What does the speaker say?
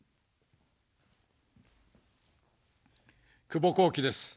久保孝喜です。